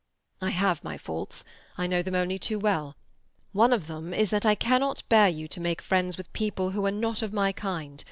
"I have my faults; I know them only too well. One of them is that I cannot bear you to make friends with people who are not of my kind.